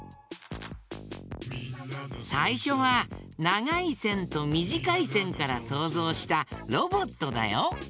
さいしょはながいせんとみじかいせんからそうぞうしたロボットだよ。